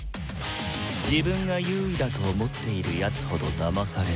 自分が優位だと思っているやつほどだまされる。